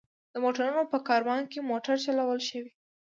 د موټرونو په کاروان کې موټر چلول ښه وي.